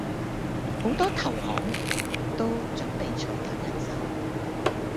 好多投行都準備裁減人手